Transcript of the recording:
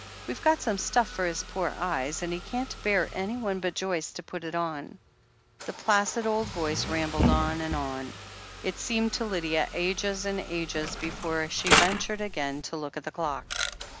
We've got some stuff for his poor eyes, and he can't bear anyone but Joyce to put it on. ..." The placid old voice rambled on and on. It seemed to Lydia ages and ages before she ventured again to look at the clock.